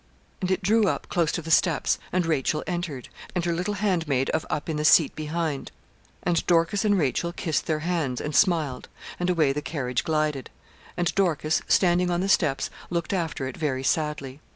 And it drew up close to the steps, and Rachel entered; and her little handmaid of up in the seat behind; and Dorcas and Rachel kissed their hands, and smiled, and away the carriage glided; and Dorcas, standing on the steps, looked after it very sadly.